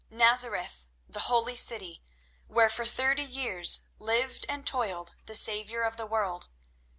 Nazareth, the holy city, where for thirty years lived and toiled the Saviour of the world.